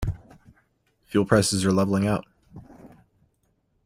Fuel prices are leveling out.